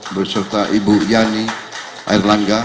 berserta ibu yani airlangga